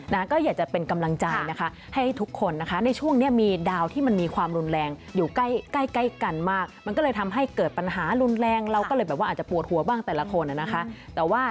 ก็อยากจะเป็นกำลังใจนะคะให้ทุกคนนะคะในช่วงนี้มีดาวที่มันมีความรุนแรงอยู่ใกล้ใกล้กันมากมันก็เลยทำให้เกิดปัญหารุนแรงเราก็เลยแบบว่าอาจจะปวดหัวบ้างแต่ละคนนะคะ